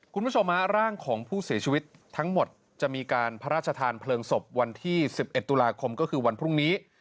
คุณผู้ชมฮะร่างของผู้เสียชีวิตทั้งหมดจะมีการพระราชทานเพลิงศพวันที่๑๑ตุลาคมก็คือวันพรุ่งนี้